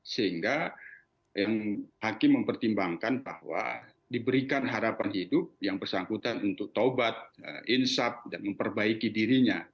sehingga hakim mempertimbangkan bahwa diberikan harapan hidup yang bersangkutan untuk taubat insab dan memperbaiki dirinya